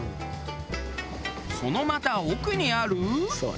そのまた奥にある。